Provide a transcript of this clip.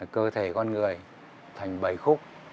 cơ thể con người thành bảy khúc